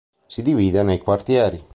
Si divide nei quartieri